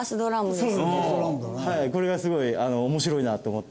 これがすごい面白いなと思って。